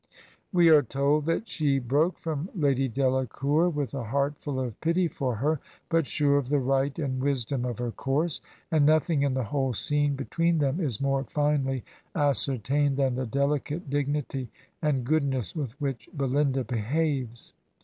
We are told that she broke from Lady Delacour with a heart full of pity for her, but sure of the right and wis dom of her course; and nothing in the whole scene be tween them is more finely ascertained than the delicate dignity and goodness with which Belinda behaves.